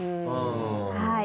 はい。